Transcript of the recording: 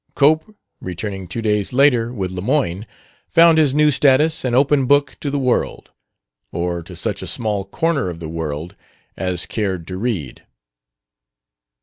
Cope, returning two days later, with Lemoyne, found his new status an open book to the world or to such a small corner of the world as cared to read.